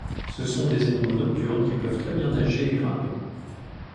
Ce sont des animaux nocturnes qui peuvent très bien nager et grimper.